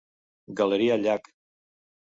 Galeria Llac.